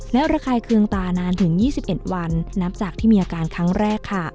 และระคายเคืองตานานถึง๒๑วันนับจากที่มีอาการครั้งแรกค่ะ